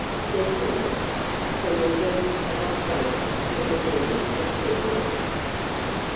Seasonable from the 1st of October to the beginning of February.